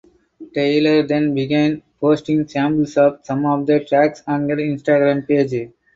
Tyler then began posting samples of some of the tracks on her Instagram page.